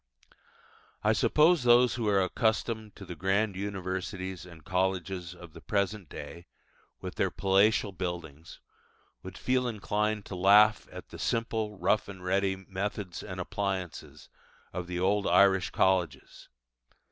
I suppose those who are accustomed to the grand universities and colleges of the present day, with their palatial buildings, would feel inclined to laugh at the simple, rough and ready methods and appliances of the old Irish colleges.